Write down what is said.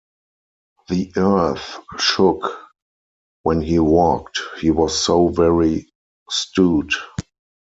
The earth shook when he walked — he was so very stout.